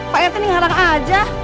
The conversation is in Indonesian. pak rt nih halang aja